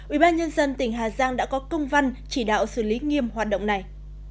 ủy ban nhân dân tỉnh hà giang đã có công văn chỉ đạo xử lý nghiêm hoạt động này